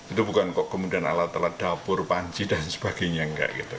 itu bukan kok kemudian alat alat dapur panci dan sebagainya enggak gitu